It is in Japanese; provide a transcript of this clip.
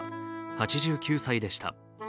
８９歳でした。